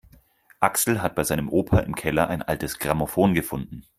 Axel hat bei seinem Opa im Keller ein altes Grammophon gefunden.